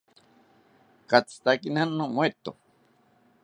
Katzitakena nomoeto